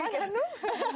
apaan ya nuh